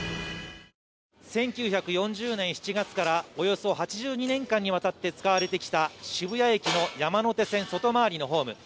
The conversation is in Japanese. １９４０年７月からおよそ８２年間にわたって使われてきた渋谷駅の山手線外回りのホーム。